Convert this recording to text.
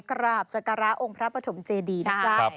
กราบศักราองค์พระปฐมเจดีนะครับ